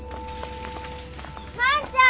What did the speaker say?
万ちゃん！